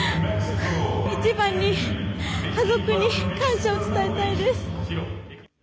一番に家族に感謝を伝えたいです。